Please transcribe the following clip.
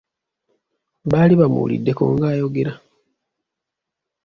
Baali bamuwuliddeko ng'ayogera?